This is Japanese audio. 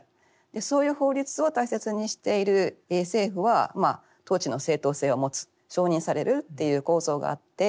そういう法律を大切にしている政府は統治の正当性を持つ承認されるっていう構造があって。